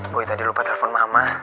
boy tadi lupa telfon mama